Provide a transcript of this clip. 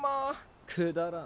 くだらん。